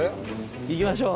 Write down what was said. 行きましょう。